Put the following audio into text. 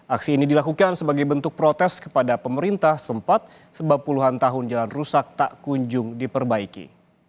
aksi ini dilakukan sebagai bentuk protes kepada pemerintah sempat sebab puluhan tahun jalan rusak tak kunjung diperbaiki